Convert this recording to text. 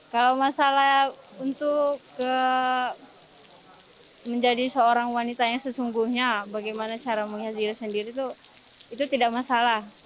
kalau masalah untuk menjadi seorang wanita yang sesungguhnya bagaimana cara menghiasi diri sendiri itu tidak masalah